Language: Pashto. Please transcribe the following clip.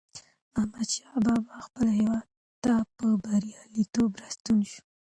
احمدشاه بابا خپل هېواد ته په بریالیتوب راستون شو.